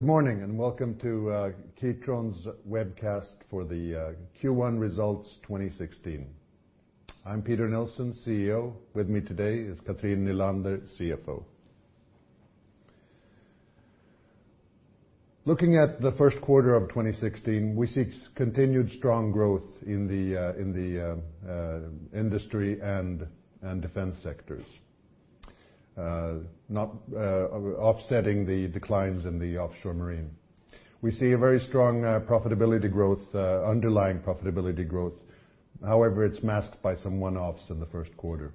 Good morning, welcome to Kitron's webcast for the Q1 results 2016. I'm Peter Nilsson, CEO. With me today is Cathrin Nylander, CFO. Looking at the first quarter of 2016, we see continued strong growth in the industry and defense sectors. Not offsetting the declines in the offshore marine. We see a very strong underlying profitability growth. However, it's masked by some one-offs in the first quarter.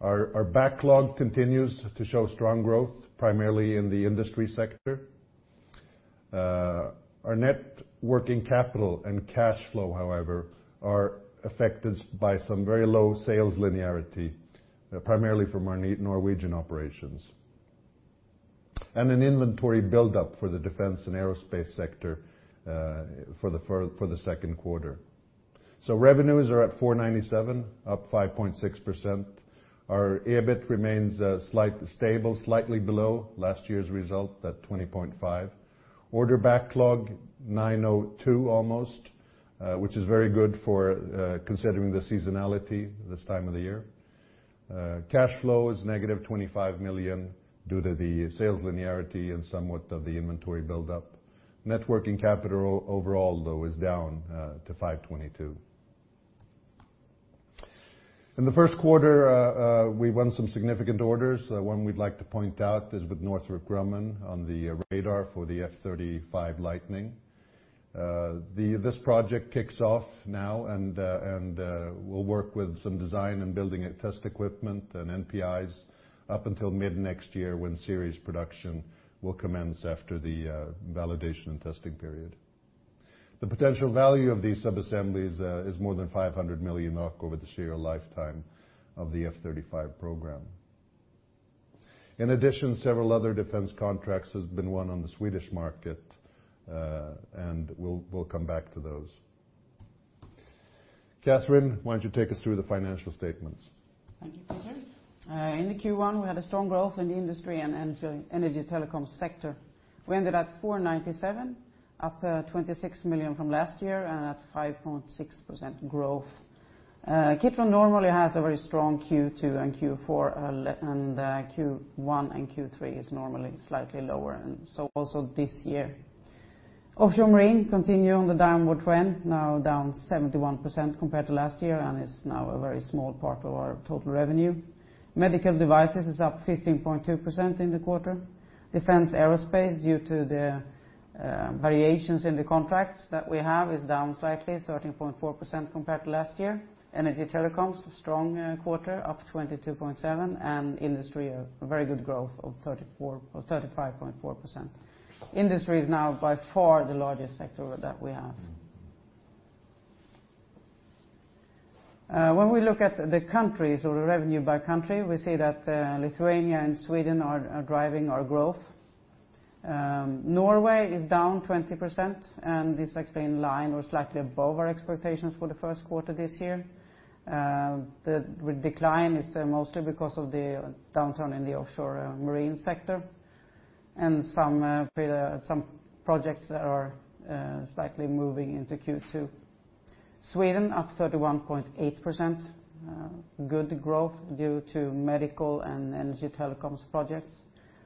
Our backlog continues to show strong growth, primarily in the industry sector. Our net working capital and cash flow, however, are affected by some very low sales linearity, primarily from our Norwegian operations. An inventory buildup for the defense and aerospace sector for the second quarter. Revenues are at 497, up 5.6%. Our EBIT remains stable, slightly below last year's result at $20.5 million. Order backlog $902 million almost, which is very good for, considering the seasonality this time of the year. Cash flow is negative $25 million due to the sales linearity and somewhat of the inventory buildup. Net working capital overall though is down to $522 million. In the first quarter, we won some significant orders. One we'd like to point out is with Northrop Grumman on the radar for the F-35 Lightning. This project kicks off now and we'll work with some design and building and test equipment and NPIs up until mid-next year when series production will commence after the validation and testing period. The potential value of these subassemblies is more than 500 million over the share lifetime of the F-35 program. In addition, several other defense contracts has been won on the Swedish market, and we'll come back to those. Cathrin, why don't you take us through the financial statements? Thank you, Peter. In the Q1, we had a strong growth in the industry and energy telecoms sector. We ended at $497, up $26 million from last year and at 5.6% growth. Kitron normally has a very strong Q2 and Q4, and Q1 and Q3 is normally slightly lower and so also this year. Offshore marine continue on the downward trend, now down 71% compared to last year and is now a very small part of our total revenue. Medical devices is up 15.2% in the quarter. Defense aerospace, due to the variations in the contracts that we have, is down slightly, 13.4% compared to last year. Energy telecoms, a strong quarter, up 22.7%, and industry, a very good growth of 35.4%. Industry is now by far the largest sector that we have. When we look at the countries or the revenue by country, we see that Lithuania and Sweden are driving our growth. Norway is down 20%. This is actually in line or slightly above our expectations for the first quarter this year. The decline is mostly because of the downturn in the offshore marine sector and some projects that are slightly moving into Q2. Sweden up 31.8%. Good growth due to medical and energy telecoms projects.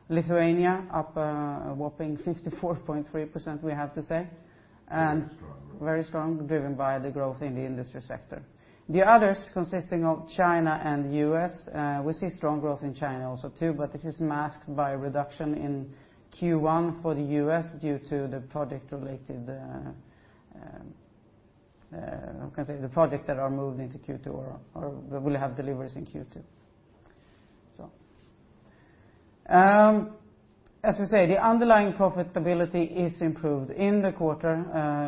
Lithuania up a whopping 54.3%, we have to say. Very strong. Very strong, driven by the growth in the industry sector. The others, consisting of China and U.S., we see strong growth in China also too, but this is masked by reduction in Q1 for the U.S. due to the project related, how can I say? The project that are moving to Q2 or that will have deliveries in Q2. As we say, the underlying profitability is improved. In the quarter,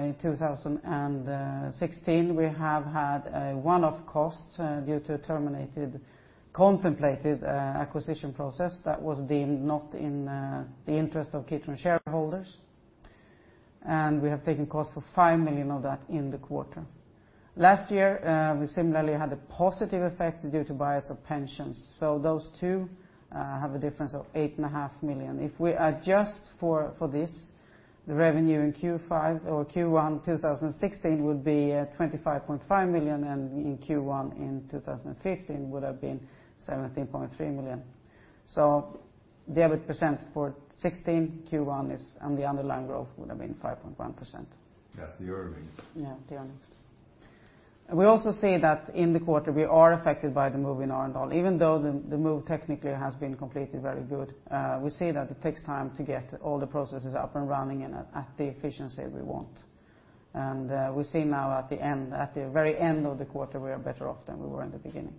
in 2016, we have had a one-off cost due to terminated, contemplated, acquisition process that was deemed not in the interest of Kitron shareholders. We have taken cost for $5 million of that in the quarter. Last year, we similarly had a positive effect due to bias of pensions. Those two have a difference of $8.5 million. If we adjust for this, the revenue in Q5 or Q1 2016 would be $25.5 million, and in Q1 2015 would have been $17.3 million. The EBIT percent for 2016 Q1 is on the underlying growth, would have been 5.1%. Yeah, the earnings. The earnings. We also see that in the quarter, we are affected by the move in our US dollar. Even though the move technically has been completed very good, we see that it takes time to get all the processes up and running and at the efficiency we want. We see now at the end, at the very end of the quarter, we are better off than we were in the beginning.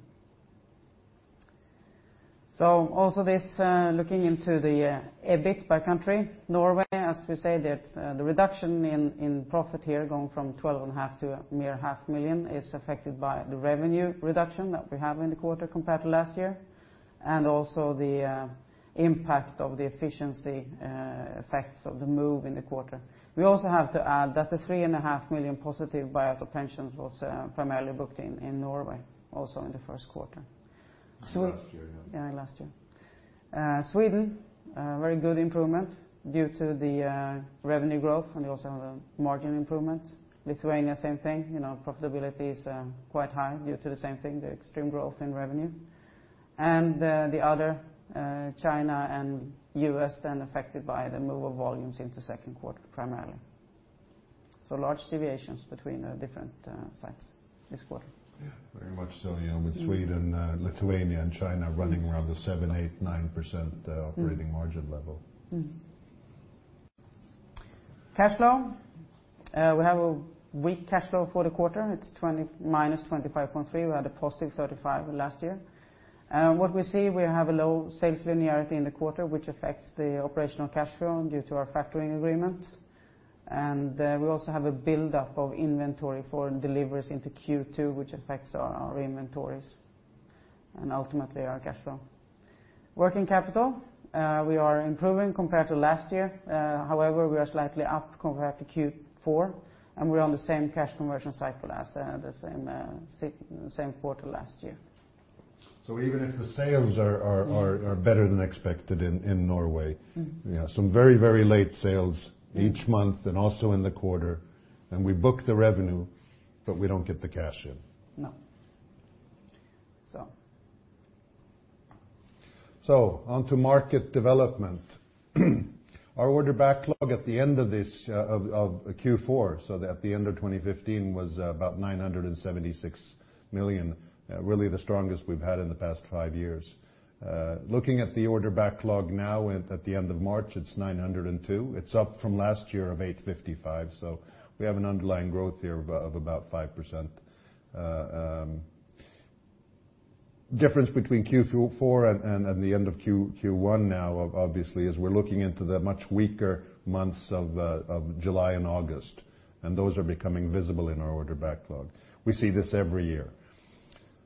Also this, looking into the EBIT by country. Norway, as we said, it's the reduction in profit here going from twelve and a half to a mere USD half million is affected by the revenue reduction that we have in the quarter compared to last year, and also the impact of the efficiency effects of the move in the quarter. We also have to add that the $3.5 million positive buy out of pensions was primarily booked in Norway, also in the first quarter. Last year, yeah. Yeah, last year. Sweden, very good improvement due to the revenue growth and also the margin improvement. Lithuania, same thing. You know, profitability is quite high due to the same thing, the extreme growth in revenue. The other, China and U.S. then affected by the move of volumes into second quarter primarily. Large deviations between the different sites this quarter. Yeah. Very much so, you know, with Sweden, Lithuania and China running around the 7, 8, 9% operating margin level. Cash flow. We have a weak cash flow for the quarter. It's -$25.3. We had a positive $35 last year. What we see, we have a low sales linearity in the quarter, which affects the operational cash flow due to our factoring agreement. We also have a buildup of inventory for deliveries into Q2, which affects our inventories and ultimately our cash flow. Working capital, we are improving compared to last year. However, we are slightly up compared to Q4, we're on the same cash conversion cycle as the same quarter last year. Even if the sales are better than expected in Norway. We have some very late sales each month and also in the quarter, and we book the revenue, but we don't get the cash in. No. Onto market development. Our order backlog at the end of Q4, so at the end of 2015, was about $976 million, really the strongest we've had in the past five years. Looking at the order backlog now at the end of March, it's $902 million. It's up from last year of $855 million. We have an underlying growth here of about 5%. Difference between Q4 and the end of Q1 now obviously is we're looking into the much weaker months of July and August, and those are becoming visible in our order backlog. We see this every year.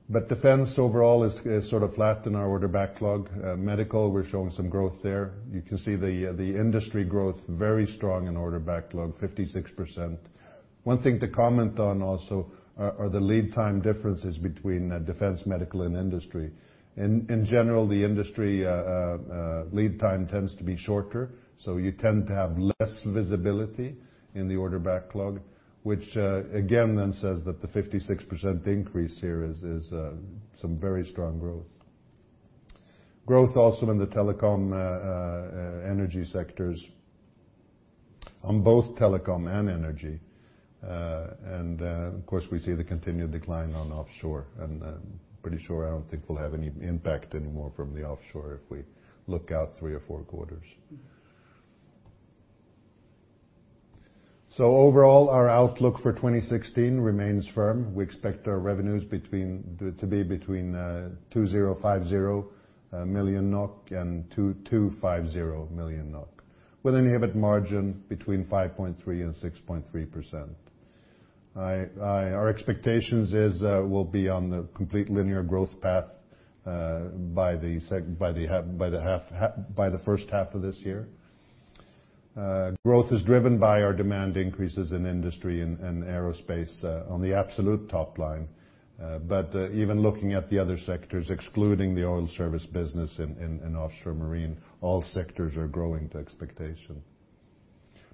Defense overall is sort of flat in our order backlog. Medical, we're showing some growth there. You can see the industry growth very strong in order backlog, 56%. One thing to comment on also are the lead time differences between defense, medical, and industry. In general, the industry lead time tends to be shorter, so you tend to have less visibility in the order backlog, which again, then says that the 56% increase here is some very strong growth. Growth also in the telecom energy sectors on both telecom and energy. Of course, we see the continued decline on offshore, and I'm pretty sure I don't think we'll have any impact anymore from the offshore if we look out three or four quarters. Overall, our outlook for 2016 remains firm. We expect our revenues to be between 2,050 million NOK and 2,250 million NOK with an EBIT margin between 5.3% and 6.3%. Our expectations is, we'll be on the complete linear growth path by the first half of this year. Growth is driven by our demand increases in industry and aerospace on the absolute top line. Even looking at the other sectors, excluding the oil service business in offshore marine, all sectors are growing to expectation.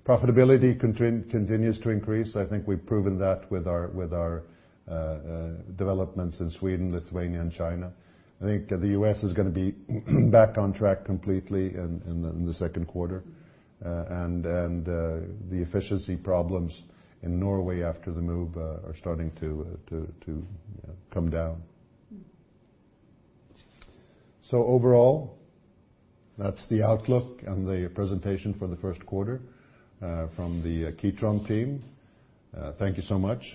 Profitability continues to increase. I think we've proven that with our developments in Sweden, Lithuania, and China. I think the U.S. is gonna be back on track completely in the second quarter. The efficiency problems in Norway after the move are starting to come down. Overall, that's the outlook and the presentation for the first quarter, from the Kitron team. Thank you so much.